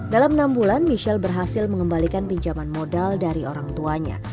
dalam enam bulan michelle berhasil mengembalikan pinjaman modal dari orang tuanya